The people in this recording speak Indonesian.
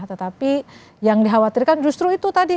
tetapi yang dikhawatirkan justru itu tadi